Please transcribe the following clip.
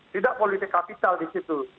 tidak politik kapital di situ